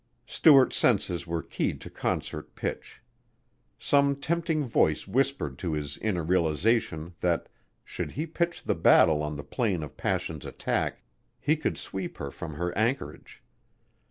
Stuart's senses were keyed to concert pitch. Some tempting voice whispered to his inner realization that, should he pitch the battle on the plane of passion's attack, he could sweep her from her anchorage.